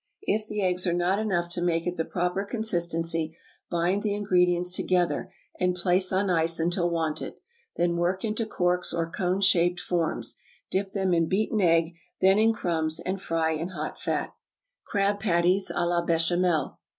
If the eggs are not enough to make it the proper consistency, bind the ingredients together, and place on ice until wanted; then work into corks or cone shaped forms, dip them in beaten egg, then in crumbs, and fry in hot fat. =Crab Patties, à la Bechamel.